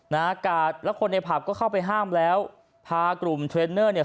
นะฮะกาดแล้วคนในผับก็เข้าไปห้ามแล้วพากลุ่มเทรนเนอร์เนี่ย